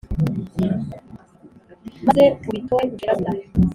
maze ubitore ushire agahinda